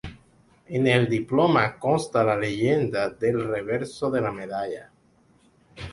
En el diploma consta la leyenda del reverso de la medalla.